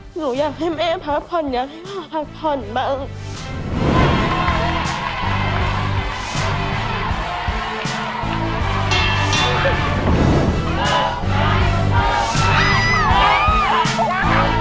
หนูอยากให้แม่พักผ่อนอยากให้พ่อพักผ่อนบ้าง